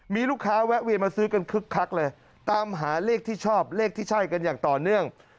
มีลูกค้าแวะเวียนมาซื้อกันคึกคักเลยตามหาเลขที่ชอบเลขที่ใช่กันอย่างต่อเนื่อง